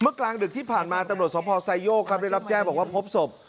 เมื่อกลางดึกที่ผ่านมาตำรวจสมภาพไซโยกกับเรียนรับแจ้บอกว่าพบศพ